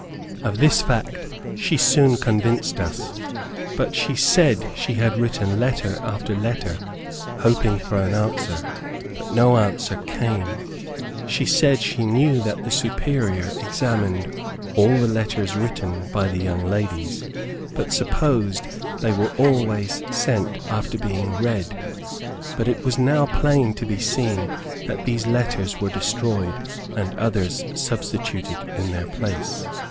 Of this fact she soon convinced us, but she said she had written letter after letter hoping for an answer, but no answer came. She said she knew that the Superior examined all the letters written by the young ladies, but supposed they were always sent, after being read. But it was now plain to be seen that those letters were destroyed, and others substituted in their place.